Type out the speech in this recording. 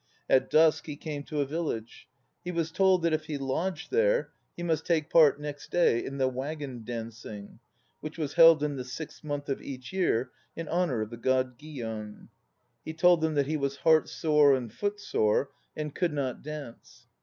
At dusk he came to a village. He was told that if he lodged there he must take part next day in the waggon dancing, which was held in the sixth month of each year in honour of the god Gion. He told them that he was heart sore and foot sore, and could not dance.